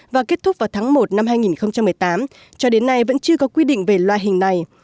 và kết thúc vào tháng một năm hai nghìn một mươi tám cho đến nay vẫn chưa có quy định về loại hình này